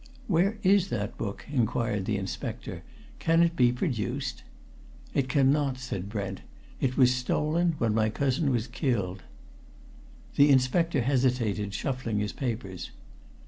"Where is that book?" inquired the inspector. "Can it be produced?" "It cannot," said Brent. "It was stolen when my cousin was killed." The inspector hesitated, shuffling his papers.